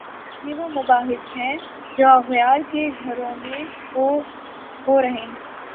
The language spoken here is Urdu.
یہ وہ مباحث ہیں جو اغیار کے گھروں میں ہو رہے ہیں؟